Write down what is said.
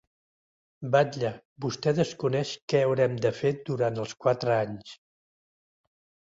Batlle, vostè desconeix què haurem de fer durant els quatre anys.